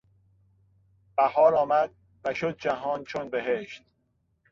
بهار آمد و شد جهان چون بهشت.